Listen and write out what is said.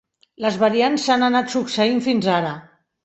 Les variants s'han anat succeint fins ara.